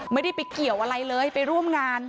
ไม่ได้ไปเกี่ยวอะไรเลยไปร่วมงาน